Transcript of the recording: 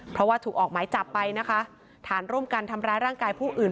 เพราะว่าถูกออกหมายจับไปนะคะฐานร่วมกันทำร้ายร่างกายผู้อื่น